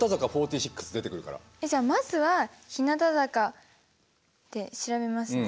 えっじゃあまずは日向坂で調べますね。